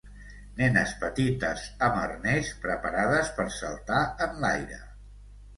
Nenes petites amb arnès preparades per saltar enlaire.